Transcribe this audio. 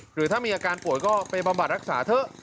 หรือถ้ามีอาการป่วยก็ไปบำบัดรักษาเถอะ